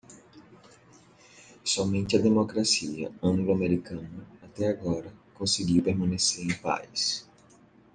Somente a democracia anglo-americana, até agora, conseguiu permanecer em paz.